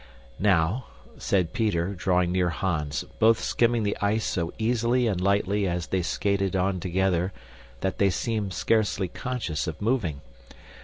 "Now," said Peter, drawing near Hans, both skimming the ice so easily and lightly as they skated on together that they seemed scarcely conscious of moving.